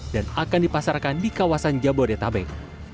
dan akan dipasarkan di kawasan jabodetabek